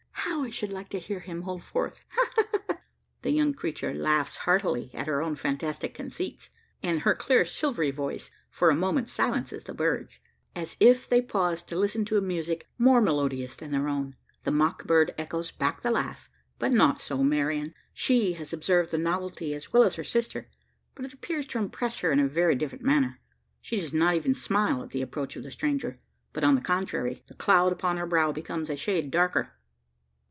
How I should like to hear him hold forth! ha, ha, ha!" The young creature laughs heartily at her own fantastic conceits; and her clear silvery voice for a moment silences the birds as if they paused to listen to a music more melodious than their own. The mock bird echoes back the laugh: but not so Marian. She has observed the novelty as well as her sister; but it appears to impress her in a very different manner. She does not even smile at the approach of the stranger; but, on the contrary, the cloud upon her brow becomes a shade darker.